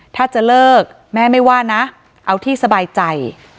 ถ้าจะเลิกแม่ไม่ว่านะเอาที่สบายใจ